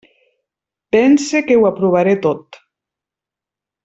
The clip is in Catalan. Pense que ho aprovaré tot.